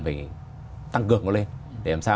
phải tăng cường nó lên để làm sao